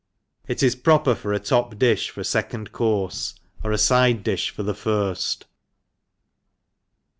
It is proper for a top difti for a fecond courfe, or a fide difh for the firft.